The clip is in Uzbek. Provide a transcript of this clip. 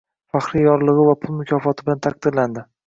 Faxriy yorligʻi va pul mukofoti bilan taqdirlandi.